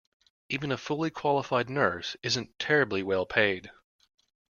Even a fully qualified nurse isn’t terribly well paid.